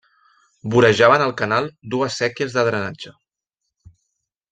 Vorejaven el canal dues séquies de drenatge.